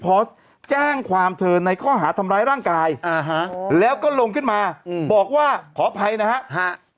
พอสแจ้งความเธอในข้อหาทำร้ายร่างกายแล้วก็ลงขึ้นมาบอกว่าขออภัยนะฮะ